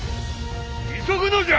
急ぐのじゃ！